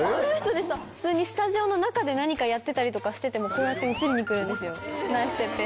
普通にスタジオの中で何かやってたりとかしててもこうやって映りに来るんですよナイスてっぺーさん。